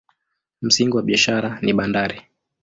Msingi wa biashara ni bandari.